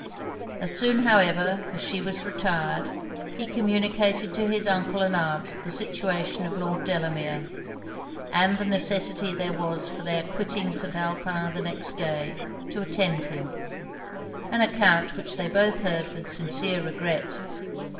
As soon, however, as she was retired, he communicated to his uncle and aunt the situation of Lord Delamere, and the necessity there was for their quitting St. Alpin the next day, to attend him; an account which they both heard with sincere regret.